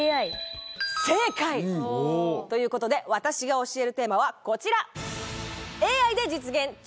正解！ということで私が教えるテーマはこちら！